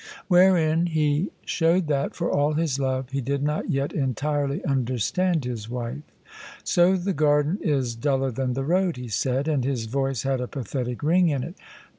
Wherein he showed that, for all his love, he did not yet entirely understand his wife. " So the garden is duller than the road," he said: and his voice had a pathetic ring in it.